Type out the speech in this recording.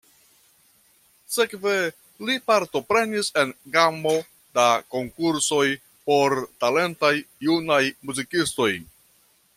Sekve li partoprenis en gamo da konkursoj por talentaj junaj muzikistoj.